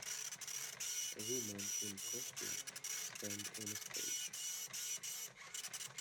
Women in costume stand on a stage.